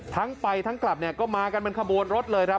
ทั้งไปทั้งกลับเนี่ยก็มากันเป็นขบวนรถเลยครับ